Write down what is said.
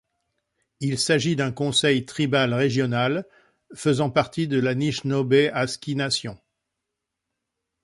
Il s'agit d'un conseil tribal régional faisant partie de la Nishnawbe Aski Nation.